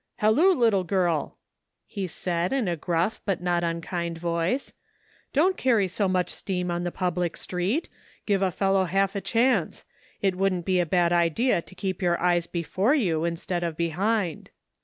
" Halloo, little girl !" he said, in a gruff, but not an unkind voice, "don't carry so much steam on the public street; give a fellow half a chance. It wouldn't be a bad idea to keep your eyes be fore you instead of behind."